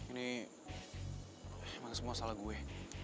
ini mana semua salah gue